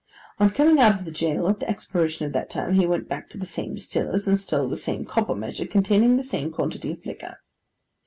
On coming out of the jail, at the expiration of that term, he went back to the same distiller's, and stole the same copper measure containing the same quantity of liquor.